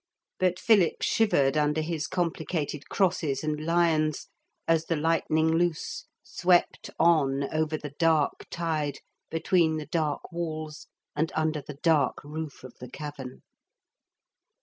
But Philip shivered under his complicated crosses and lions, as the Lightning Loose swept on over the dark tide between the dark walls and under the dark roof of the cavern.